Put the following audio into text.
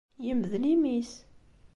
Yemdel imi-s.